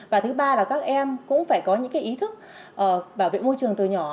và thứ ba là các em cũng phải có những ý thức bảo vệ môi trường